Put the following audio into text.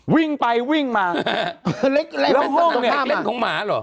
วิ่งไปวิ่งมาแล้วห้องเนี่ยเลี้ยงของหมาเหรอ